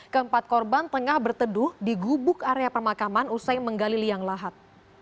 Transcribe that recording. keempat korban tengah berteduh di gubuk area pemakaman usai menggali liang lahat